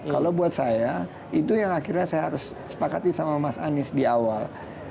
kalau buat saya itu yang akhirnya saya harus sepakati sama mas anies di awal